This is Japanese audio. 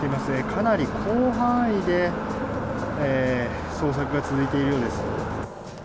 かなり広範囲で捜索が続いているようです。